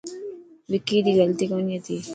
وڪي ري غلطي ڪوني هتي.